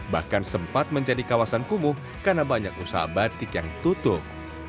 bahkan sempat menjadi kawasan kumuh karena banyak usaha batik yang tutup